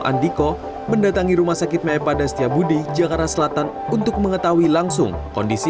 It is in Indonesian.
andiko mendatangi rumah sakit meepada setiabudi jakarta selatan untuk mengetahui langsung kondisi